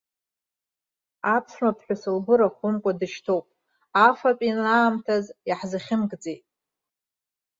Аԥшәмаԥҳәыс лгәы рахәымкәа дышьҭоуп, афатә ианаамҭаз иаҳзахьымгӡеит!